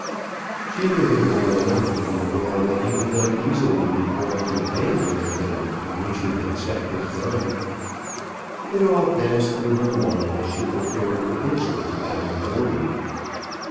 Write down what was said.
She knew him well enough to be aware that he could not easily be brought to abandon the thing on which he had set his mind. It all passed through her mind as she prepared her answer for John Gordon.